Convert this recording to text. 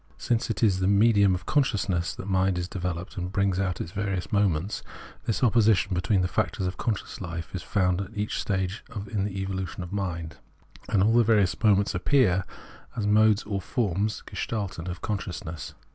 Since it is in the medium of consciousness that mind is developed and brings out its various moments, this opposition between the factors of con scious hfe is found at each stage in the evolution of mind, * V. note p. 25. VOL. I.— D 34 Phenomenology of Mind and all the various moments appear as modes or forms {Gestalten) of consciousness.